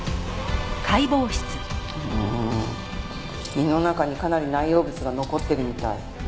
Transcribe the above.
胃の中にかなり内容物が残ってるみたい。